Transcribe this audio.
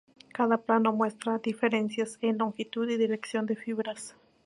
Cada plano muestra diferencias en longitud y dirección de fibras.